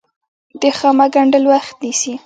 د خامک ګنډل وخت نیسي